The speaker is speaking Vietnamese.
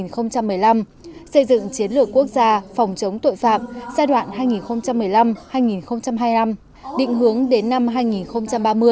xây dựng chiến lược quốc gia phòng chống tội phạm giai đoạn hai nghìn một mươi năm hai nghìn hai mươi năm định hướng đến năm hai nghìn ba mươi